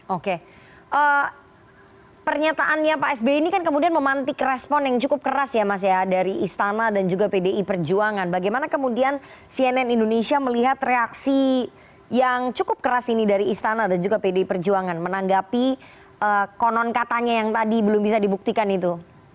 oke pernyataannya pak sby ini kan kemudian memantik respon yang cukup keras ya mas ya dari istana dan juga pdi perjuangan bagaimana kemudian cnn indonesia melihat reaksi yang cukup keras ini dari istana dan juga pdi perjuangan menanggapi konon katanya yang tadi belum bisa dibuktikan itu